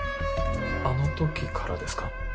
あの時からですか？